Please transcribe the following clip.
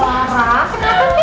empat guru kita aja"